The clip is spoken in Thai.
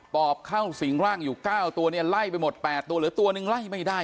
อบเข้าสิงร่างอยู่๙ตัวเนี่ยไล่ไปหมด๘ตัวเหลือตัวนึงไล่ไม่ได้